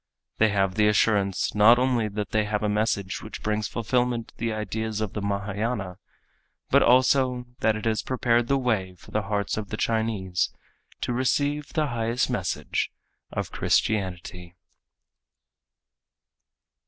They have the assurance not only that they have a message which brings fulfilment to the ideas of the Mahâyâna, but also that it has prepared the way for the hearts of the Chinese to receive the highest message of Christianity.